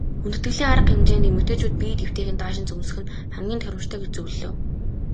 Хүндэтгэлийн арга хэмжээнд эмэгтэйчүүд биед эвтэйхэн даашинз өмсөх нь хамгийн тохиромжтой гэж зөвлөлөө.